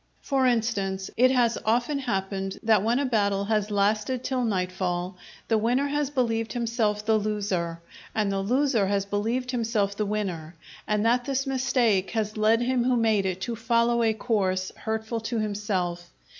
For instance, it has often happened that when a battle has lasted till nightfall, the winner has believed himself the loser, and the loser has believed himself the winner and that this mistake has led him who made it to follow a course hurtful to himself.